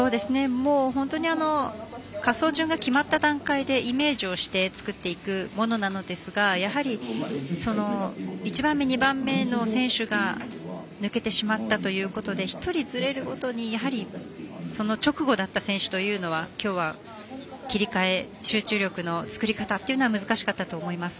本当に滑走順が決まった段階でイメージをして作っていくものなのですがやはり１番目、２番目の選手が抜けてしまったということで１人ずれるごとに、やはりその直後だった選手というのはきょうは切り替え集中力の作り方というのは難しかったと思います。